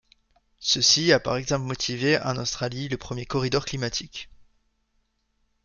Ceci a par exemple motivé en Australie le premier corridor climatique.